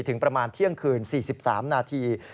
ถึงประมาณเที่ยงคืน๔๓นาที